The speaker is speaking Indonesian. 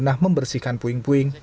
pernah membersihkan puing puing